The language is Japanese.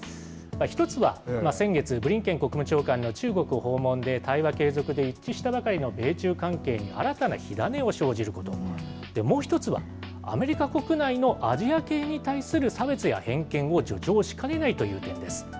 １つは、先月、ブリンケン国務長官の中国訪問で、対話継続で一致したばかりの米中関係に新たな火種を生じること、もう１つは、アメリカ国内のアジア系に対する差別や偏見を助長しかねないという点です。